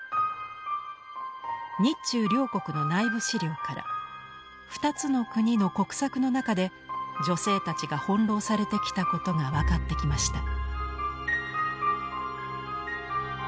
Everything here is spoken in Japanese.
日中両国の内部資料から２つの国の国策の中で女性たちが翻弄されてきたことが分かってきました。